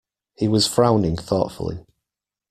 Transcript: He was frowning thoughtfully.